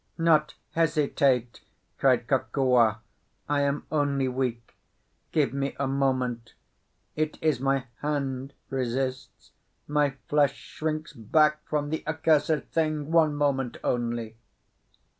"Not hesitate!" cried Kokua. "I am only weak. Give me a moment. It is my hand resists, my flesh shrinks back from the accursed thing. One moment only!"